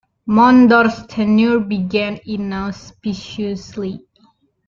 Mondor's tenure began inauspiciously.